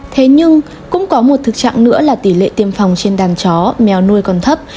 thế nhưng cũng có một thực trạng nữa là tỷ lệ tiêm phòng trên đàn chó mèo nuôi còn thấp